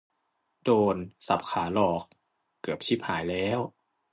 โดน สับขาหลอก เกือบชิบหายแล้ว